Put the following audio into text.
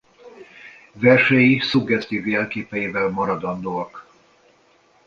Versei szuggesztív jelképeivel maradandóak.